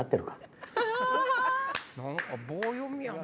何か棒読みやな。